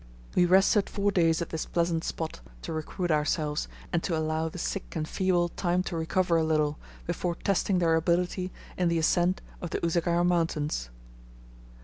We rested four days at this pleasant spot, to recruit ourselves, and to allow the sick and feeble time to recover a little before testing their ability in the ascent of the Usagara mountains.